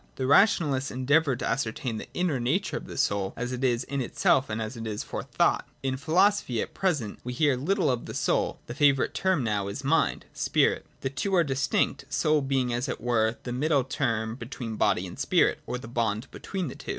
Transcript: The rationalists en deavoured to ascertain the inner nature of the soul as it is in itself and as it is for thought. — In philosophy at pre sent we hear little of the soul : the favourite term now is mind (spirit). The two are distinct, soul being as it were the middle term between body and spirit, or the bond between the two.